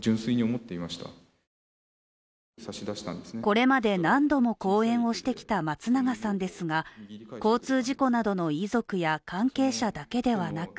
これまで何度も講演をしてきた松永さんですが、交通事故などの遺族や関係者だけではなく